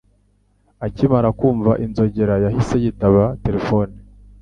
Akimara kumva inzogera yahise yitaba telefoni